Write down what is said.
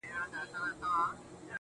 هلته پاس چي په سپوږمـۍ كــي.